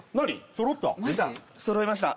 そろいました